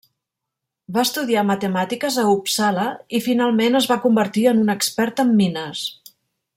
Va estudiar matemàtiques a Uppsala i finalment es va convertir en un expert en mines.